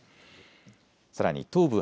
さらに東部